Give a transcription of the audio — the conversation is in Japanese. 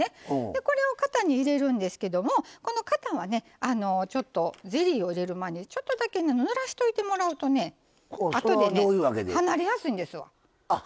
これを型に入れるんですけども型は、ちょっとゼリーを入れる前にちょっとだけぬらしておいてもらうとあとで離れやすいんですよ。